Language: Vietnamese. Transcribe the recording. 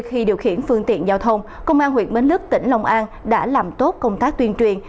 khi điều khiển phương tiện giao thông công an huyện bến lức tỉnh long an đã làm tốt công tác tuyên truyền